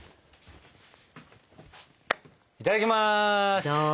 いただきます。